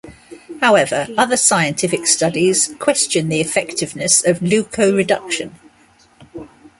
However, other scientific studies question the effectiveness of leukoreduction.